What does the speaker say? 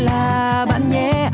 là bạn nhé